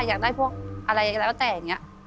อยากได้พวกอะไรก็แล้วแต่อย่างนี้